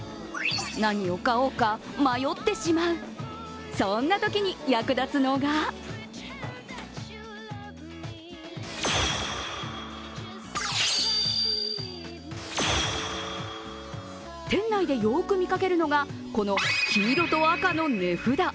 何を買おうか迷ってしまう、そんなときに役立つのが店内でよく見かけるのがこの黄色と赤の値札。